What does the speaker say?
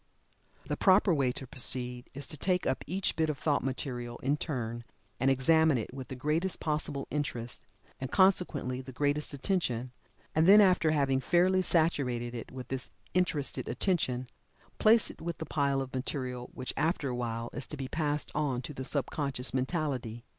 The proper way to proceed, is to take up each bit of thought material in turn, and examine it with the greatest possible interest, and consequently the greatest attention, and then after having fairly saturated it with this interested attention, place it with the pile of material which, after a while, is to be passed on to the sub conscious mentality.